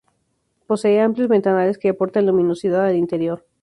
Posee amplios ventanales que aportan luminosidad al interior.